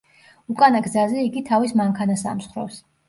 უკანა გზაზე იგი თავის მანქანას ამსხვრევს.